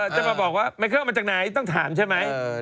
จะมาบอกว่าแมงเคิลมาจากไหนต้องถามใช่ไหม